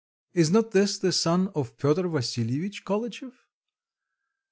Is not this the son of Piotr Vassilyevitch Kolitchev?